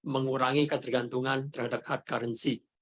mengurangi ketergantungan terhadap heart currency